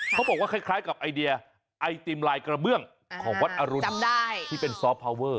เขาบอกว่าคล้ายกับไอเดียไอติมลายกระเบื้องของวัดอรุณที่เป็นซอฟพาวเวอร์